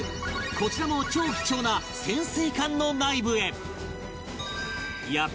こちらも超貴重な潜水艦の内部へ